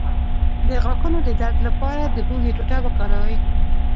د غاښونو د درد لپاره د هوږې ټوټه وکاروئ